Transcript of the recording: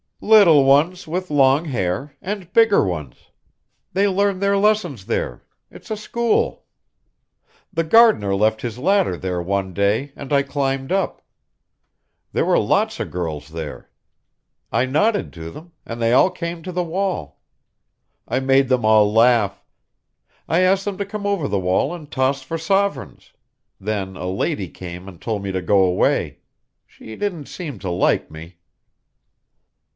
"Little ones with long hair and bigger ones; they learn their lessons there, it's a school. The gardener left his ladder there one day and I climbed up. There were a lot of girls there. I nodded to them, and they all came to the wall. I made them all laugh. I asked them to come over the wall and toss for sovereigns then a lady came and told me to go away. She didn't seem to like me."